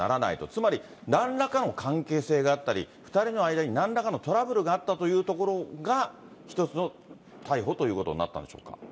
つまり、なんらかの関係性があったり、２人の間になんらかのトラブルがあったというところが、一つの逮捕ということになったんでしょうか。